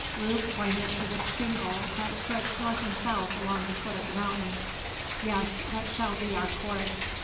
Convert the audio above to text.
Rube pointed to the shingle that stretched north and south along the foot of the mountain. "Yes, that shall be our course.